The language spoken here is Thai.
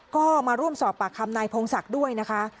ก็มาร่วมสอบปากคำนายพงศักดิ์ด้วยนะคะ